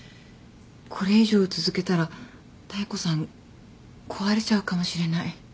これ以上続けたら妙子さん壊れちゃうかもしれない。